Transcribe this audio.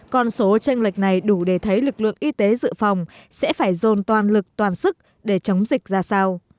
còn số tranh lệch này đủ để thấy lực lượng y tế dự phòng sẽ phải dồn toàn lực toàn sức để chống dịch ra sao